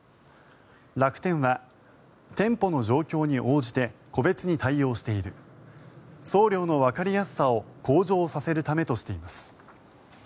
楽天は、店舗の状況に応じて個別に対応している送料のわかりやすさを向上させるためとしています。